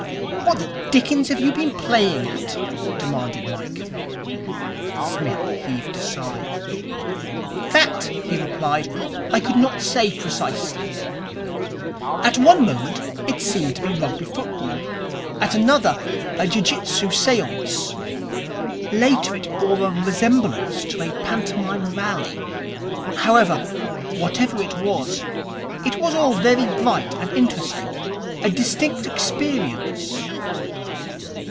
'What the dickens have you been playing at?' demanded Mike. Psmith heaved a sigh. 'That,' he replied, 'I could not say precisely. At one moment it seemed to be Rugby football, at another a jiu jitsu seance. Later, it bore a resemblance to a pantomime rally. However, whatever it was, it was all very bright and interesting. A distinct experience.'